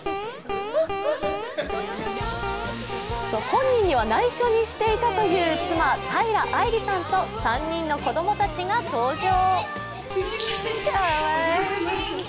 本人には内緒にしていたという妻・平愛梨さんと３人の子供たちが登場。